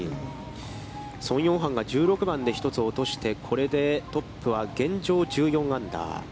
宋永漢が１６番で１つ落として、これでトップは現状１４アンダー。